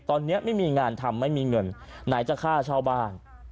ตอนนี้ไม่มีงานทำไม่มีเงินไหนจะค่าเช่าบ้าน